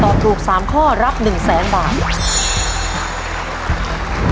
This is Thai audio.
ตอบถูก๓ข้อรับ๑๐๐๐๐๐บาท